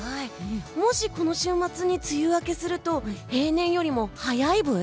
もし、この週末に梅雨明けすると平年よりも早いブイ？